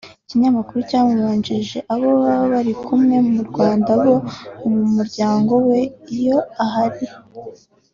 Ikinyamakuru cyamubajije abo baba bari kumwe mu Rwanda bo mu muryango we iyo ahari